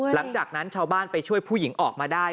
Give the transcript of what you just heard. หลังจากนั้นชาวบ้านไปช่วยผู้หญิงออกมาได้